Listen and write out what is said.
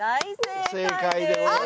正解でございます。